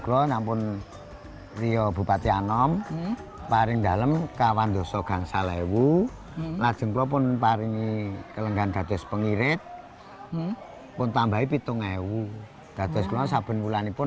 dato' sengkulang sabun bulani pun